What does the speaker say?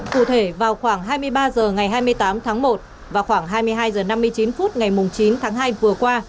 cụ thể vào khoảng hai mươi ba h ngày hai mươi tám tháng một và khoảng hai mươi hai h năm mươi chín phút ngày chín tháng hai vừa qua